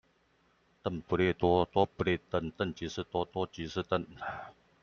鄧不利多，多不利鄧。鄧即是多，多即是鄧